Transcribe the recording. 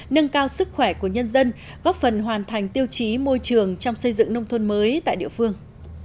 nâng cao sức khỏe của nhân dân góp phần hoàn thành tiêu chí môi trường trong xây dựng nông thôn mới tại địa phương